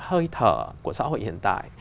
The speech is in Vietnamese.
hơi thở của xã hội hiện tại